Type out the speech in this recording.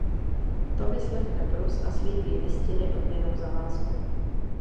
To vyslechne Prus a slíbí listiny odměnou za lásku.